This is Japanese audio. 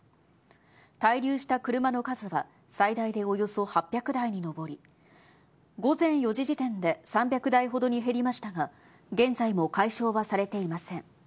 滞留した車の数は最大でおよそ８００台に上り、午前４時時点で３００台ほどに減りましたが、現在も解消はされていません。